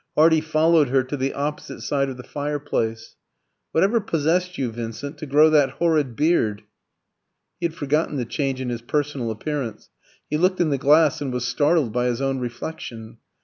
Hardy followed her to the opposite side of the fireplace. "Whatever possessed you, Vincent, to grow that horrid beard?" He had forgotten the change in his personal appearance. He looked in the glass and was startled by his own reflection.